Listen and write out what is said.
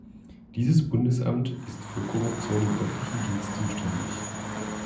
Dieses Bundesamt ist für Korruption im öffentlichen Dienst zuständig.